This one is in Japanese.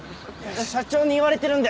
社長に言われてるんで。